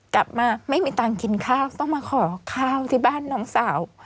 กลับมาไม่มีตังค์กินข้าวต้องมาขอข้าวที่บ้านน้องสาว